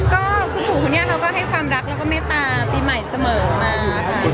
ก็คุณปู่คนนี้เขาก็ให้ความรักแล้วก็เมตตาปีใหม่เสมอมาค่ะ